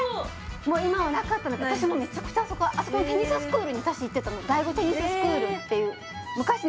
もう今はなかったの私もめちゃくちゃあそこテニススクールに私行ってたの醍醐テニススクールっていう昔ね